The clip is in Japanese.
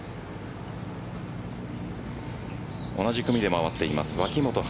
同じ組で回っています脇元華。